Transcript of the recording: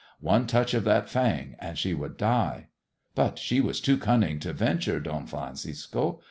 One touch of that fang, and she would die. But she was too cunning to yenturOi Don Francisco.